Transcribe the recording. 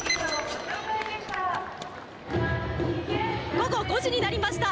午後５時になりました。